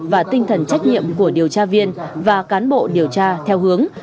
và tinh thần trách nhiệm của điều tra viên và cán bộ điều tra theo hướng